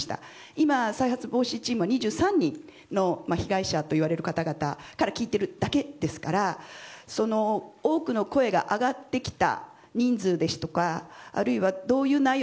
今、再発防止チームは２３人の被害者の方々から聞いているだけですからその多くの声が上がってきた人数ですとかあるいは、どういう内容。